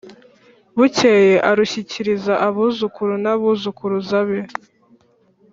bukeye arushyikiriza abuzukuru n'abuzukuruza be.